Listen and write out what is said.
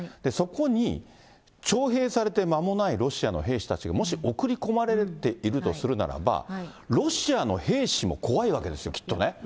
そこに徴兵されて間もないロシアの兵士たちがもし送り込まれているとするならば、ロシアの兵士も怖いわけですよ、きっとね。